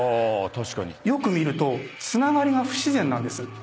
よく見るとつながりが不自然なんです。